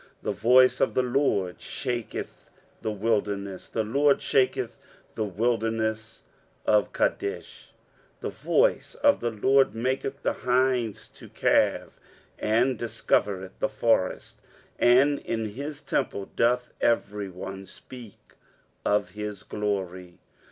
8 The voice of the LoRD shaketh the wilderness ; the Lord shaketh the wilderness of Kadesh. 9 The voice of the LoRD maketh the hinds to calve, and dis covereth the forests : and in his temple doth every one speak of his glory.